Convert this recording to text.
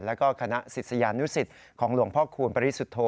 แล้วก็คณะศิษยานุสิตของหลวงพ่อคูณปริสุทธโธ